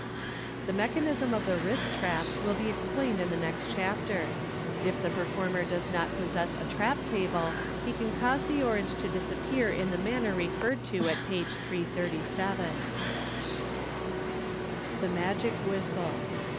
The mechanism of the Wrist Trap will be explained in the next Chapter. If the performer does not possess a trap table, he can cause the orange to disappear in the manner referred to at page 337. The Magic Whistle.